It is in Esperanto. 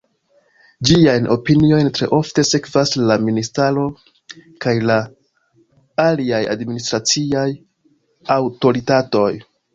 Ĝiajn opiniojn tre ofte sekvas la ministraro kaj la aliaj administraciaj aŭtoritatoj.